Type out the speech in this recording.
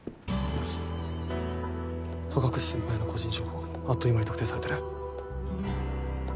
戸隠先輩の個人情報あっという間に特定されてる。